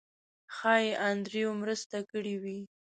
ښایي انډریو مرسته کړې وي.